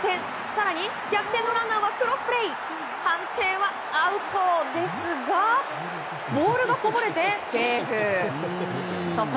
更に逆転のランナークロスプレーで判定はアウトですがボールがこぼれてセーフ！